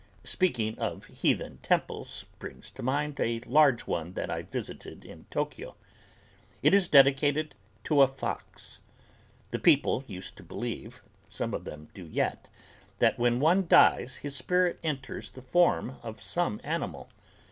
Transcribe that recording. Speaking of heathen temples brings to mind a large one that I visited in Tokyo. It is dedicated to a fox. The people used to believe, some of them do yet, that when one dies his spirit enters the form of some animal.